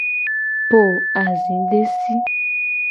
Po azidesi.